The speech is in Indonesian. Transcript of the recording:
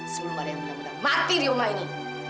sebelum ada yang mudah mudahan mati di rumah ini